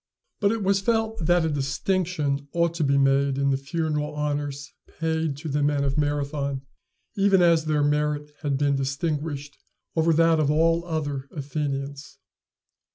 But it was felt that a distinction ought to be made in the funeral honors paid to the men of Marathon, even as their merit had been distinguished over that of all other Athenians.